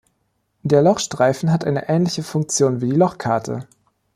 Der Lochstreifen hat eine ähnliche Funktion wie die Lochkarte.